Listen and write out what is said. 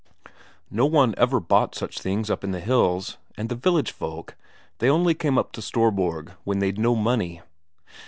No one ever bought such things up in the hills; and the village folk, they only came up to Storborg when they'd no money.